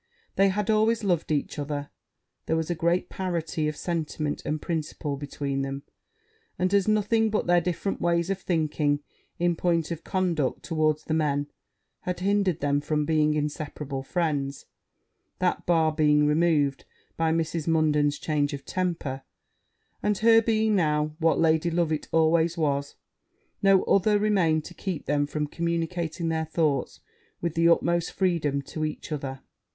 They had always loved each other there was a great parity of sentiment and principle between them; and as nothing but their different ways of thinking, in point of conduct towards the men, had hindered them from becoming inseparable friends, that bar being removed by Mrs. Munden's change of temper, and her being now what Lady Loveit always was, no other remained to keep them from communicating their thoughts with the utmost freedom to each other.